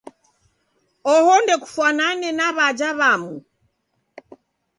Oho ndokufwanane na w'aja w'amu.